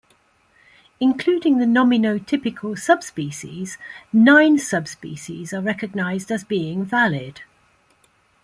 Including the nominotypical subspecies, nine subspecies are recognized as being valid.